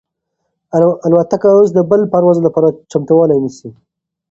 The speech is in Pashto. الوتکه اوس د بل پرواز لپاره چمتووالی نیسي.